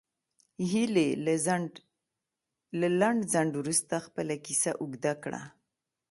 هیلې له لنډ ځنډ وروسته خپله کیسه اوږده کړه